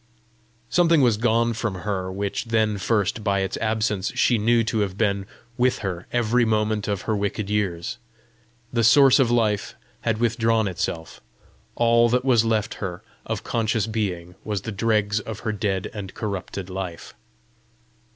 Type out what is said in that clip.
Something was gone from her, which then first, by its absence, she knew to have been with her every moment of her wicked years. The source of life had withdrawn itself; all that was left her of conscious being was the dregs of her dead and corrupted life.